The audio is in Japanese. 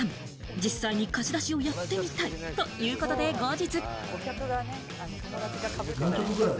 実際に貸し出しをやってみたいということで、後日。